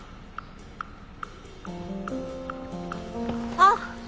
あっ！